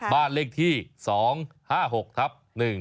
บ้านเลขที่๒๕๖ทับ๑